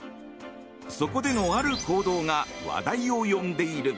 そこでのある行動が話題を呼んでいる。